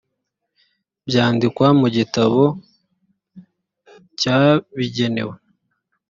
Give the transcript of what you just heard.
byandikwa mu gitabo cyabigenewe